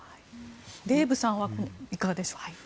デーブさんはいかがでしょうか？